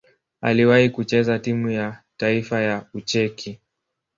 Aliwahi kucheza timu ya taifa ya Ucheki.